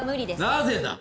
なぜだ？